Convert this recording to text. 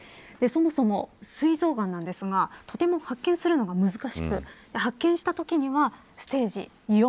そもそも膵臓がんなんですがとても発見するのが難しく発見したときにはステージ４。